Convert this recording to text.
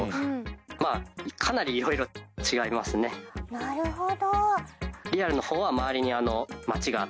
なるほど。